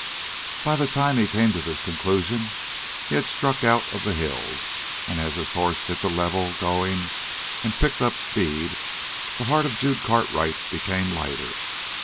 By the time he came to this conclusion, he had struck out of the hills, and, as his horse hit the level going and picked up speed, the heart of Jude Cartwright became lighter.